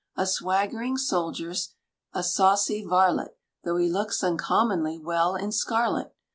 A swaggering soldier's a saucy varlet, Though he looks uncommonly well in scarlet.